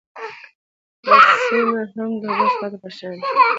دا سیمه هم د کوز خوات په شان